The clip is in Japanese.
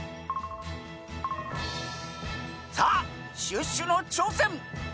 さあシュッシュのちょうせん！